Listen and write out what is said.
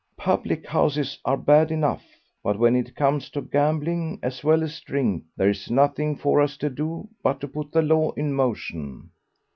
Public houses are bad enough, but when it comes to gambling as well as drink, there's nothing for us to do but to put the law in motion.